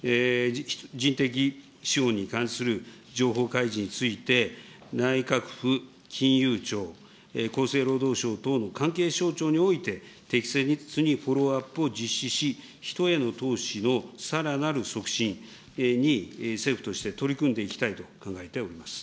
人的資本に関する情報開示について、内閣府、金融庁、厚生労働省等の関係省庁において、適切にフォローアップを実施し、人への投資のさらなる促進に政府として取り組んでいきたいと考えております。